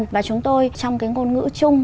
và chúng tôi trong cái ngôn ngữ chung